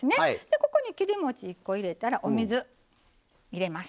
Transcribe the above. ここに切りもちを１個入れたらお水入れます。